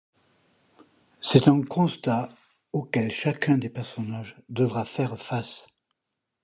C'est un constat auquel chacun des personnages devra faire face.